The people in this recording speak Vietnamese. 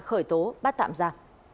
khởi tố bắt tạm ra